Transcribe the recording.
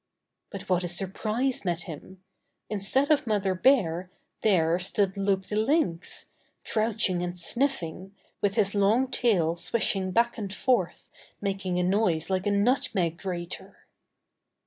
But what a surprise met him! Instead of Mother Bear there stood Loup the Lynx, crouching and sniffing, with his long tail swishing back and forth making a noise like a nutmeg grater.